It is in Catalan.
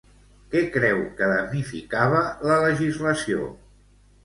Què creu que damnificava la legislació?